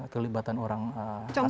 kelibatan orang asli papua